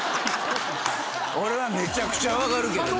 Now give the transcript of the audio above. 俺はめちゃくちゃ分かるけどな。